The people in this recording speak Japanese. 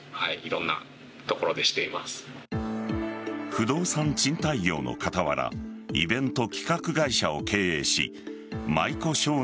不動産賃貸業の傍らイベント企画会社を経営し舞妓ショー